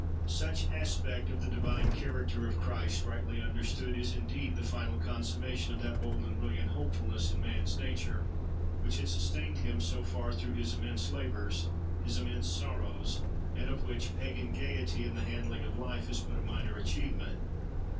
Such aspect of the divine character of Christ, rightly understood, is indeed the final consummation of that bold and brilliant hopefulness in man's nature, which had sustained him so far through his immense labours, his immense sorrows, and of which pagan gaiety in the handling of life, is but a minor achievement.